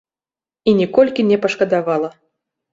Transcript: І ніколькі не пашкадавала.